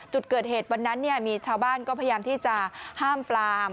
จุดเกิดเหตุวันนั้นมีชาวบ้านก็พยายามที่จะห้ามปลาม